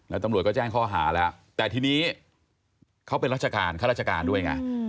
แล้วตำรวจก็แจ้งข้อหาแล้วแต่ทีนี้เขาเป็นราชการข้าราชการด้วยไง